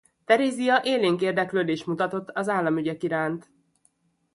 Terézia élénk érdeklődést mutatott az államügyek iránt.